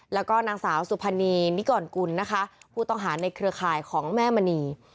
แล้วก็นางสาวสุพรรณีนิกรกุลนะคะผู้ต้องหาในเครือข่ายของแม่มณี